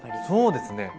そうですね